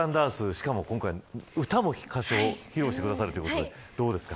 しかも今回、歌も披露してくださるということでどうでしたか。